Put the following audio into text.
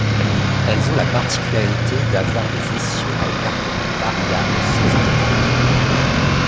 Elles ont la particularité d'avoir des essieux à écartement variable sans arrêter le train.